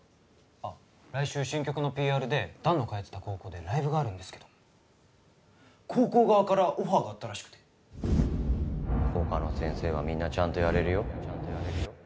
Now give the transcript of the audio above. あっ来週新曲の ＰＲ で弾の通ってた高校でライブがあるんですけど高校側からオファーがあったらしくて・他の先生はみんなちゃんとやれるよ